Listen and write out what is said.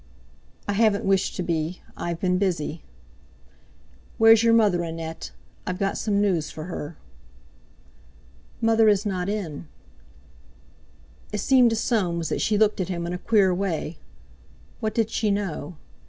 "I haven't wished to be; I've been busy." "Where's your mother, Annette? I've got some news for her." "Mother is not in." It seemed to Soames that she looked at him in a queer way. What did she know?